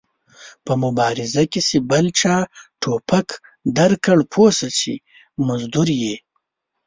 په مبارزه کې چې بل چا ټوپک درکړ پوه سه چې مزدور ېې